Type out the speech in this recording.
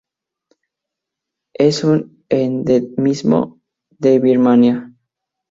Es un endemismo de Birmania.